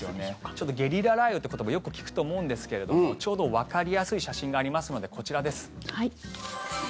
ゲリラ雷雨って言葉よく聞くと思うんですけれどもちょうどわかりやすい写真がありますので、こちらです。